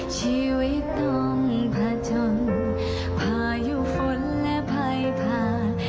ชีวิตต้องผจญพายุฝนและภัยผ่าน